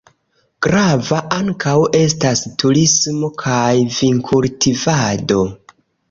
Grava ankaŭ estas turismo kaj vinkultivado.